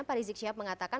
pak rizik syihab mengatakan